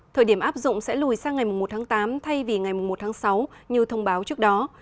thời điểm áp dụng sẽ lùi sang ngày một tháng tám thay vì ngày một tháng sáu như thông báo trước đó